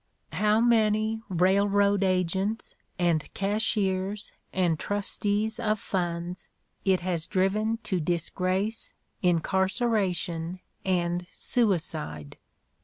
How many railroad agents, and cashiers, and trustees of funds, it has driven to disgrace, incarceration, and suicide!